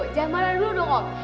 jangan marah dulu dong om